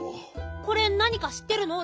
これなにかしってるの？